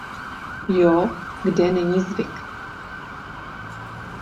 Jo kde není zvyk…